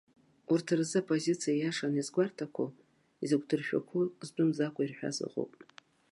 Урҭ рзы аппозициа ииашан иазгәарҭақәо, изықәдыршәақәо, зтәы мӡакәа ирҳәаз ыҟоуп.